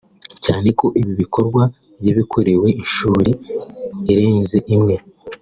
cyane ko ibi bikorwa yabikorewe inshuri irenze imwe”